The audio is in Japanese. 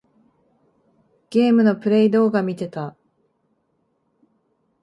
ゲームのプレイ動画みてた。